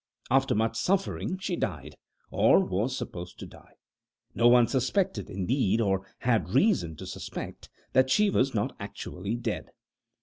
After much suffering she died, or was supposed to die. No one suspected, indeed, or had reason to suspect, that she was not actually dead.